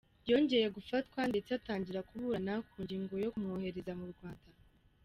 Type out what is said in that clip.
Yongeye gufatwa ndetse atangira kuburana ku ngingo yo kumwohereza mu Rwanda.